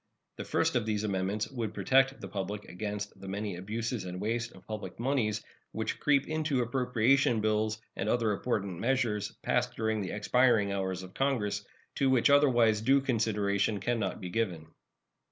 The first of these amendments would protect the public against the many abuses and waste of public moneys which creep into appropriation bills and other important measures passing during the expiring hours of Congress, to which otherwise due consideration can not be given.